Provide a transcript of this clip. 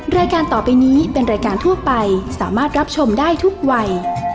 รายการต่อไปนี้เป็นรายการทั่วไปสามารถรับชมได้ทุกวัย